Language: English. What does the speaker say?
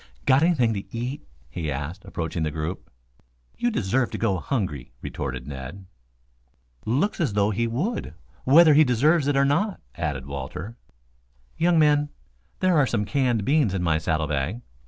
"Got anything to eat?" he asked, approaching the group. "You deserve to go hungry," retorted Ned. "Looks as though he would, whether he deserves it or not," added Walter. "Young men, there are some canned beans in my saddle bag.